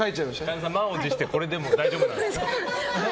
神田さん、満を持してこれでも大丈夫なんですか？